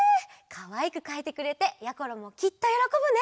かわいくかいてくれてやころもきっとよろこぶね！